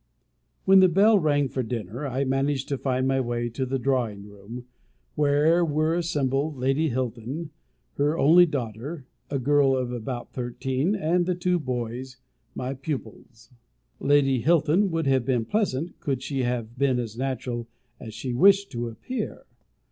When the bell rang for dinner, I managed to find my way to the drawing room, where were assembled Lady Hilton, her only daughter, a girl of about thirteen, and the two boys, my pupils. Lady Hilton would have been pleasant, could she have been as natural as she wished to appear.